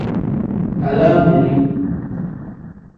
Alaameri.